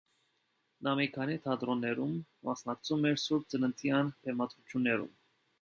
Նա մի քանի թատրոններում մասնակցում էր սուրբ ծննդյան բեմադրություններում։